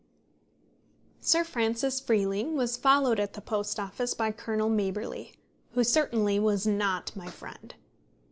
Sir Francis Freeling was followed at the Post Office by Colonel Maberly, who certainly was not my friend.